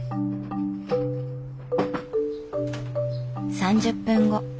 ３０分後。